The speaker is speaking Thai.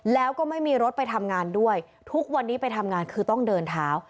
แล้วก็ไม่มีรถไปทำงานด้วยทุกวันนี้ไปทำงานคือต้องเดินเท้า